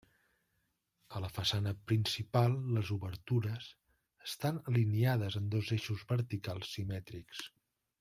A la façana principal, les obertures estan alineades en dos eixos verticals simètrics.